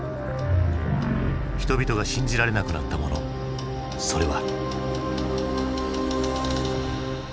人々が信じられなくなったものそれは。